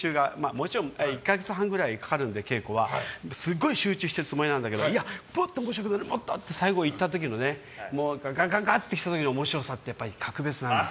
もちろん１か月半くらいかかるので、稽古はすごい集中してるつもりなんだけどパって面白いことがあって最後いった時のねガンガンガンって来た時の面白さってやっぱり格別なんですよ。